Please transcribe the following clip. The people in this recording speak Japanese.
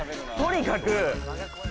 とにかく。